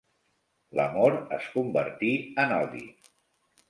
L'amor es convertí en odi.